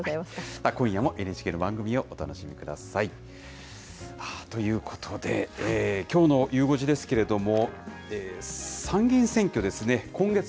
今夜もＮＨＫの番組をお楽しみください。ということで、きょうのゆう５時ですけれども。